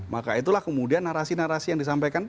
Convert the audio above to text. maka itulah kemudian narasi narasi yang disampaikan